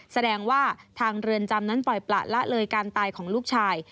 แสดงว่าทางเรือนจำนั้นปล่อยประละเลยการตายของลูกชาย